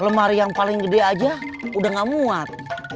lemari yang paling gede aja udah gak muat